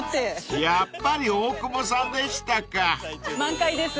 ［やっぱり大久保さんでしたか］